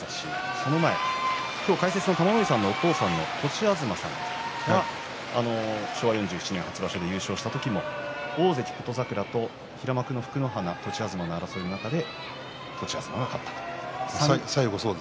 その前解説の玉ノ井さんのお父さんの栃東さんが昭和４７年初場所で優勝した時も、大関琴櫻と平幕との対戦で栃東が勝ったというものがありました。